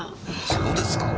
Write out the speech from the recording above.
そうですか。